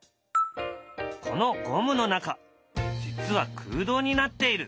このゴムの中実は空どうになっている。